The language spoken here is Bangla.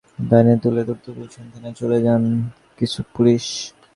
কয়েকজনকে টেনে-হিঁচড়ে প্রিজন ভ্যানে তুলে দ্রুত গুলশান থানায় চলে যায় কিছু পুলিশ।